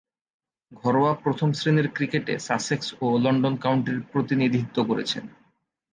ঘরোয়া প্রথম-শ্রেণীর ক্রিকেটে সাসেক্স ও লন্ডন কাউন্টির প্রতিনিধিত্ব করেছেন।